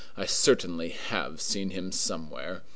I certainly have seen him somewhere.